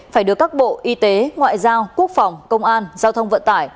phải được các bộ y tế ngoại giao quốc phòng công an giao thông vận tải